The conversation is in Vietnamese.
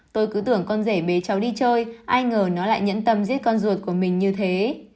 tôi cứ tưởng con rể bế cháu đi chơi ai ngờ nó lại nhẫn tâm giết con ruột của mình như thế